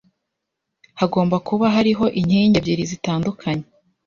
hagomba kuba hariho inkingi ebyiri zitandukanye